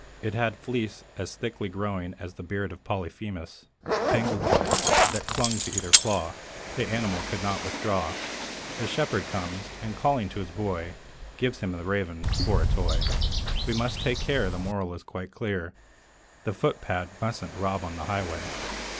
It had a fleece as thickly growing As beard of Polyphemus tangled wood That clung to either claw; the animal could not withdraw. The shepherd comes, and calling to his boy, Gives him the Raven for a toy. We must take care; the moral is quite clear The footpad mustn't rob on the highway.